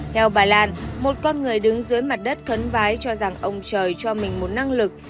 theo bà lan một con người đứng dưới mặt đất khấn vái cho rằng ông trời cho mình một năng lực